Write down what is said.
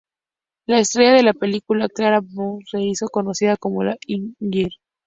La estrella de la película Clara Bow se hizo conocida como la "It girl".